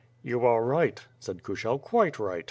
"You are right," said Kushel, "Quite right.